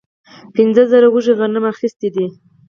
پنځه زره وږي غنم اخیستي دي.